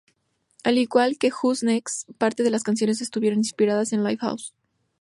Al igual que "Who's Next", parte de las canciones estuvieron inspiradas en "Lifehouse".